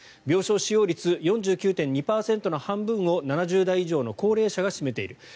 病床使用率４９．２％の半分を７０代以上の高齢者が占めている。